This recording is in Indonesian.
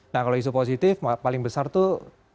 nah kalau isu positif paling besar itu terkait dengan penyelamat